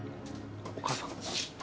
お母さん？